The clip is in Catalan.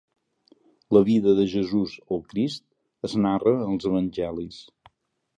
La vida de Jesús el Crist, es narra en els Evangelis.